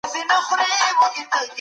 که عدالت نه وي حکومت ژر ړنګېږي.